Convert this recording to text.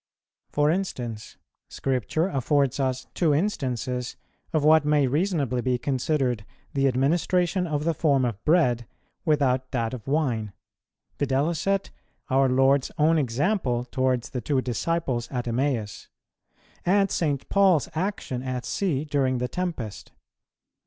For instance, Scripture affords us two instances of what may reasonably be considered the administration of the form of Bread without that of Wine; viz. our Lord's own example towards the two disciples at Emmaus, and St. Paul's action at sea during the tempest.